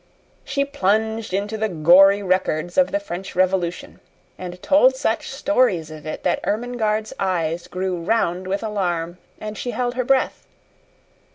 She plunged into the gory records of the French Revolution, and told such stories of it that Ermengarde's eyes grew round with alarm and she held her breath.